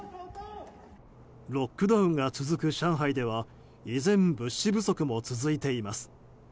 ロックダウンが続く上海では以前、物資不足も続いています。